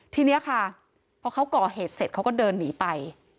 ทีนี้ค่ะพอเขาก่อเหตุเสร็จเขาก็เดินหนีไป